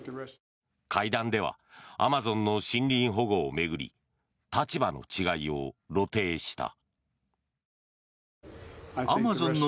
会談ではアマゾンの森林保護を巡り立場の違いを露呈した。